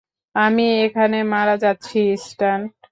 আমি এখানে মারা যাচ্ছি, স্ট্যান।